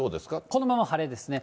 このまま晴れですね。